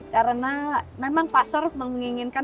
karena memang pasar menginginkan